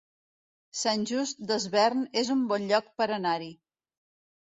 Sant Just Desvern es un bon lloc per anar-hi